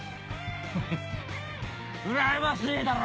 ヘヘうらやましいだろ！